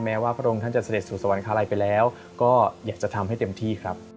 ว่าพระองค์ท่านจะเสด็จสู่สวรรคาลัยไปแล้วก็อยากจะทำให้เต็มที่ครับ